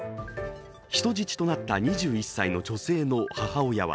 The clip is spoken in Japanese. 人質となった２１歳の女性の母親は